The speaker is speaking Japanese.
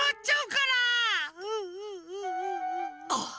あっ！